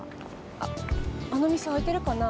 あっあのみせあいてるかな。